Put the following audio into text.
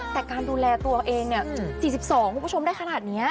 แต่การดูแลตัวเองเนี่ย๔๒คุณผู้ชมได้ขนาดนี้